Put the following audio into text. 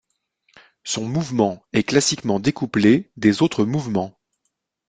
Son mouvement est classiquement découplé des autres mouvements.